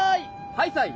ハイサイ。